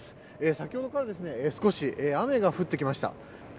先ほどから少し雨が降ってきました。